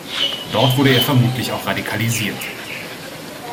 Dort wurde er vermutlich auch radikalisiert.